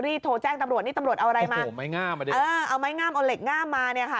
เออเอาไม้งามเอาเหล็กงามมาเนี่ยค่ะ